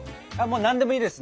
何でもいいです！